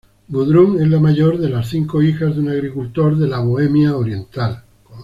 Gudrun es mayor de las cinco hijas de un agricultor de Bohemia oriental.